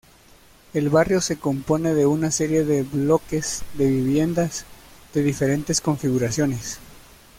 El barrio se compone de una serie de bloques de viviendas de diferentes configuraciones.